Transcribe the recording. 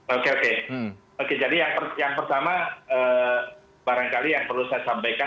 oke oke jadi yang pertama barangkali yang perlu saya sampaikan